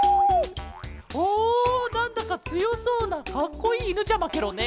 おなんだかつよそうなかっこいいいぬちゃまケロね。